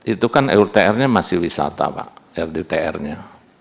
itu kan rtr nya masih wisata pak rdtr nya